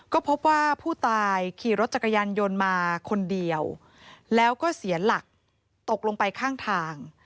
ก็พบว่าผู้ตายขี่รถจักรยานยนต์มาคนเดียวแล้วก็เสียหลักตกลงไปข้างทาง